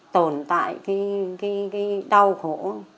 tồn tại cái đau khổ